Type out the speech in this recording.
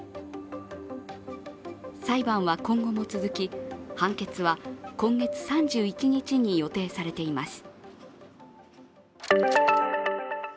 裁判は今後も続き、判決は今月３１日に予定されています。